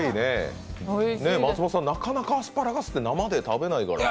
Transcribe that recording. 松本さん、なかなかアスパラガスって生で食べないから。